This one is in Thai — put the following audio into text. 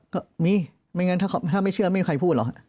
ก็มีไม่งั้นถ้าไม่เชื่อไม่มีใครพูดหรอก